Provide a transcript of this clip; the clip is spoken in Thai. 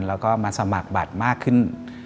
แล้วก็มาสมัครบัตรมากขึ้น